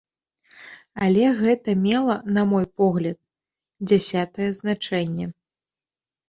Але гэта мела, на мой погляд, дзясятае значэнне.